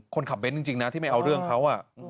คนขับเน้นจริงนะที่ไม่เอาเรื่องเขา